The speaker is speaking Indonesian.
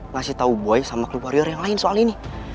ngasih tahu boy sama club warrior yang lain soal ini